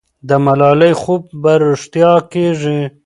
د ملالۍ خوب به رښتیا کېږي.